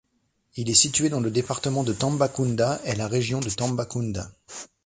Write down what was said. Il est situé dans le département de Tambacounda et la région de Tambacounda.